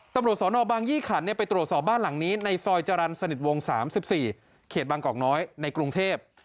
ตำรวจสนบางยี่ขันไปตรวจสอบบ้านหลังนี้ในซอยจรรย์สนิทวง๓๔เขตบางกอกน้อยในกรุงเทพ